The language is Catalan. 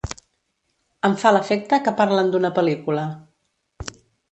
Em fa l'efecte que parlen d'una pel·lícula.